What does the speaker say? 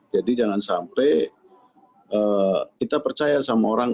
jadi jangan sampai kita percaya sama orang